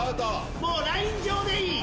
もうライン上でいい。